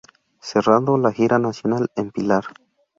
Cerrando la gira nacional en Pilar.